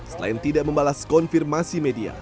selain tidak membalas konfirmasi media